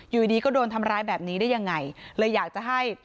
อยู่ดีก็โดนทำร้ายแบบนี้ได้ยังไงเลยอยากจะให้